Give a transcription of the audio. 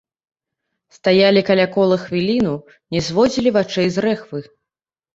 Стаялі каля кола хвіліну, не зводзілі вачэй з рэхвы.